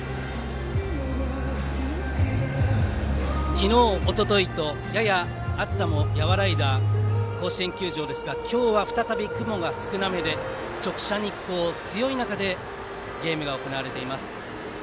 昨日、おとといとやや暑さも和らいだ甲子園球場ですが今日は再び雲が少なめで直射日光が強い中でゲームが行われています。